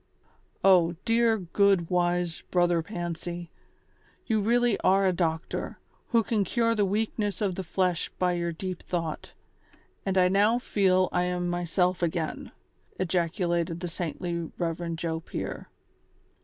" O dear, good, wise Brother Pancy, you really are a doctor, who can cure the weakness of the flesh by your deep thought, and I now feel I am myself again," ejacu lated the saintly Rev. Joe Pier.